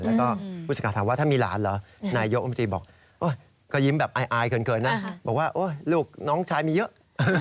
แล้วก็ผู้สิทธิ์ถามว่าถ้ามีหลานเหรอนายกรรมตรีบอกก็ยิ้มแบบอายเกินนะบอกว่าลูกน้องชายมีเยอะ